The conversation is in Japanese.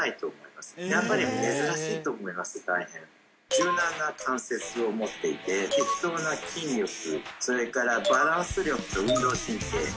柔軟な関節を持っていて適当な筋力それからバランス力と運動神経。